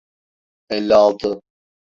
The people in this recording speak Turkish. Elli altı.